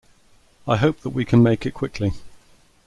I hope that we can make it quickly.